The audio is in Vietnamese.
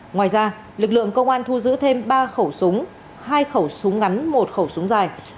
ngoài ra lực lượng công an thu giữ thêm ba khẩu súng hai khẩu súng ngắn một khẩu súng dài